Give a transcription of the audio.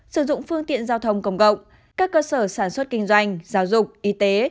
sử dụng phương tiện giao thông công cộng các cơ sở sản xuất kinh doanh giáo dục y tế